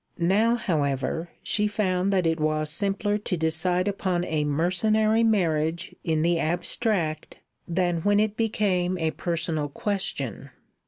Now, however, she found that it was simpler to decide upon a mercenary marriage in the abstract than when it became a personal question.